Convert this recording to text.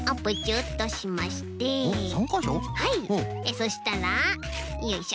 そしたらよいしょ。